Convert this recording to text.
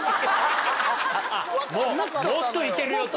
もっといけるよと。